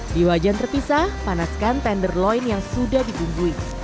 di wajan terpisah panaskan tenderloin yang sudah dibumbui